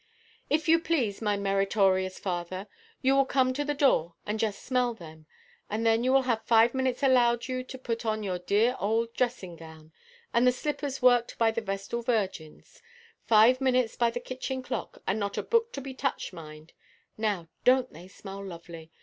"If you please, my meritorious father, you will come to the door, and just smell them; and then you will have five minutes allowed you to put on your dear old dressing–gown, and the slippers worked by the Vestal virgins; five minutes by the kitchen clock, and not a book to be touched, mind. Now, donʼt they smell lovely?